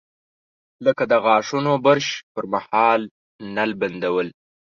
لکه د غاښونو برش پر مهال نل بندول.